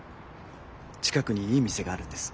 近くにいい店があるんです。